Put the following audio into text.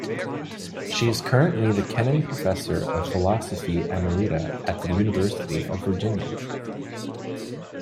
She is currently the Kenan Professor of Philosophy Emerita at the University of Virginia.